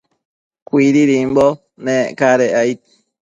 Cuididimbo nec cadec aid